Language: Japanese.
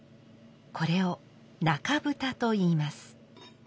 これを中蓋と言います。